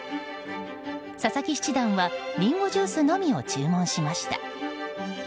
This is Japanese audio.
佐々木七段はリンゴジュースのみを注文しました。